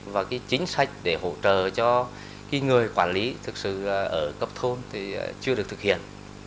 và chính sách để hỗ trợ cho cái người quản lý thực sự ở cấp thôn thì chưa được thực hiện